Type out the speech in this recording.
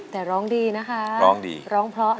แต่ร้องดีร้องเพราะ